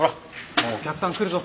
もうお客さん来るぞ。